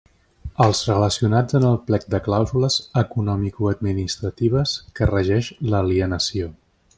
Els relacionats en el plec de clàusules economicoadministratives que regeix l'alienació.